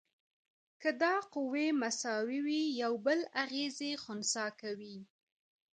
که دا قوې مساوي وي یو بل اغیزې خنثی کوي.